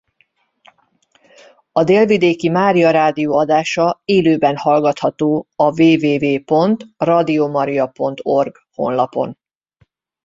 A délvidéki Mária Rádió adása élőben hallgatható a www.radiomaria.org honlapon.